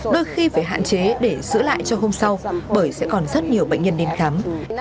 đôi khi phải hạn chế để sửa lại cho hôm sau bởi sẽ còn rất nhiều bệnh nhân đến khám